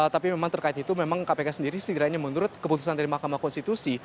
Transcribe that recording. tapi memang terkait itu memang kpk sendiri setidaknya menurut keputusan dari mahkamah konstitusi